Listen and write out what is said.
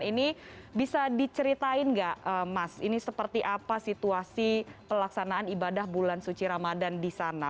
ini bisa diceritain nggak mas ini seperti apa situasi pelaksanaan ibadah bulan suci ramadan di sana